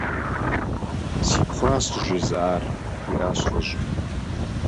- Си пхъуращ къызжезыӏар, - жиӀащ лӀыжьым.